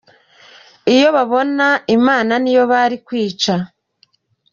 Iyo babona Imana niyo bari kwica